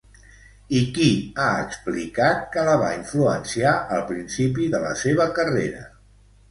I qui ha explicat que la va influenciar al principi de la seva carrera?